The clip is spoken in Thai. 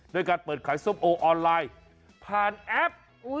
ด้วยการเปิดขายส้มโอออนไลน์ผ่านแอป